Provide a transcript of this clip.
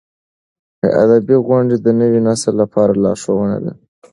ادبي غونډې د نوي نسل لپاره لارښوونه ده.